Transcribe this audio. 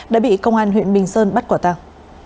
đã bị công an huyện bình sơn bắt quả tàng